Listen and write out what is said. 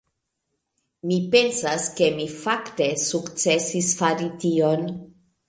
Mi pensas ke mi fakte sukcesis fari tion.